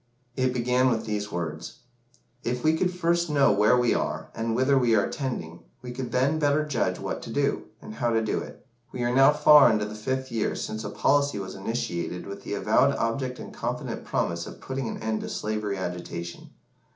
It began with these words "If we could first know where we are, and whither we are tending, we could then better judge what to do, and how to do it. We are now far on into the fifth year since a policy was initiated with the avowed object and confident promise of putting an end to slavery agitation.